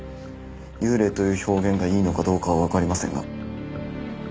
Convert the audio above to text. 幽霊という表現がいいのかどうかはわかりませんが。